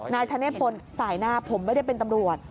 นายธเนธพลสายหน้าผมไม่ได้เป็นตำรวจ